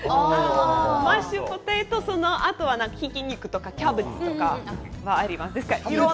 マッシュポテトのあとはひき肉とかキャベツとかあります。